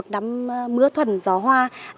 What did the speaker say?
đắm mưa thuần gió hoa